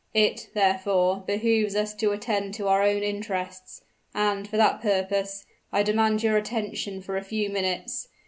It, therefore, behooves us to attend to our own interests; and, for that purpose, I demand your attention for a few minutes.